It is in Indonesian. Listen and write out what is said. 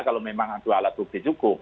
kalau memang ada alat bukti cukup